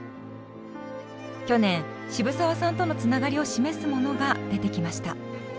去年渋沢さんとのつながりを示すものが出てきました。